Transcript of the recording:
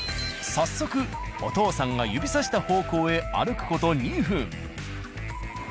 早速お父さんが指さした方向へ歩く事２分。